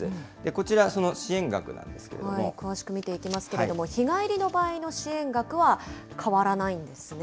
こちら、その支援額なんですけれ詳しく見ていきますけれども、日帰りの場合の支援額は変わらないんですね。